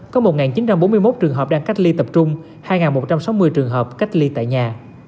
có một chín trăm bốn mươi một trường hợp đang cách ly tập trung hai một trăm sáu mươi trường hợp cách ly tại nhà